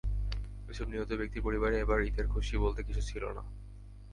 এসব নিহত ব্যক্তির পরিবারে এবার ঈদের খুশি বলতে কিছুই ছিল না।